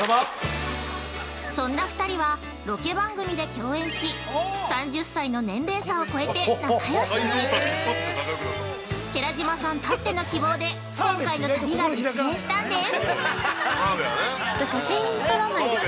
そんな２人は、ロケ番組で共演し３０才の年齢差を超えて、仲良しに寺島さんたっての希望で、今回の旅が実現したんです。